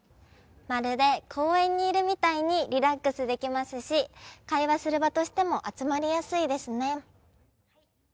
まるで公園にいるみたいにリラックスできますし会話する場としても集まりやすいですね。